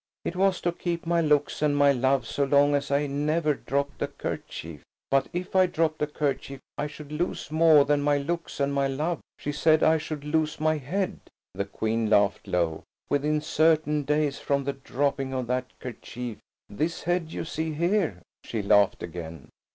"I was to keep my looks and my love so long as I never dropped a kerchief. But if I dropped a kerchief I should lose more than my looks and my love; she said I should lose my head,"–the Queen laughed low,–"within certain days from the dropping of that kerchief–this head you see here;" she laughed again.